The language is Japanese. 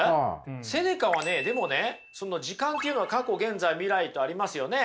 セネカはねでもねその時間っていうのは過去現在未来とありますよね。